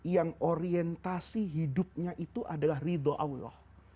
yang orientasi hidupnya itu adalah ridho allah